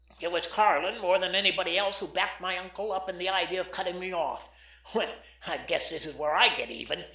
It was Karlin more than anybody else who backed my uncle up in the idea of cutting me off. Well, I guess this is where I get even!